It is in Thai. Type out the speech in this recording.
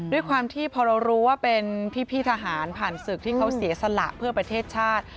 ด้วยความที่พอเรารู้ว่าเป็นพี่ทหารผ่านศึกที่เขาเสียสละเพื่อประเทศชาติ